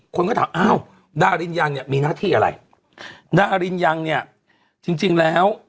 คนก็ถามอ้าวดาริยังมีหน้าที่อะไรดาริยังเนี่ยจริงแล้ว